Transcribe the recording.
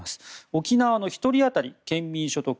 沖縄の１人当たり県民所得